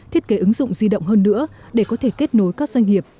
thiết kế ứng dụng di động hơn nữa để có thể kết nối các doanh nghiệp